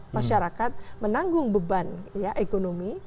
masyarakat menanggung beban ekonomi